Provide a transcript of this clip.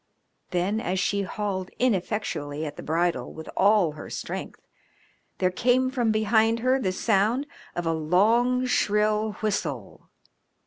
Then as she hauled ineffectually at the bridle with all her strength there came from behind her the sound of a long, shrill whistle.